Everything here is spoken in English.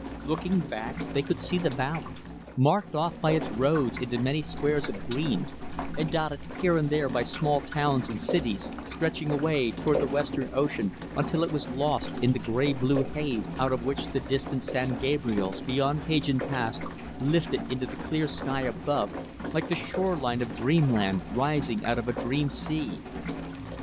Looking back, they could see the valley marked off by its roads into many squares of green, and dotted here and there by small towns and cities stretching away toward the western ocean until it was lost in a gray blue haze out of which the distant San Gabriels, beyond Cajon Pass, lifted into the clear sky above, like the shore line of dreamland rising out of a dream sea.